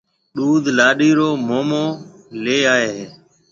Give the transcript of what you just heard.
ڏُوڌ لاڏِي رو مومون ليائيَ ھيََََ